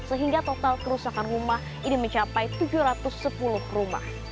sehingga total kerusakan rumah ini mencapai tujuh ratus sepuluh rumah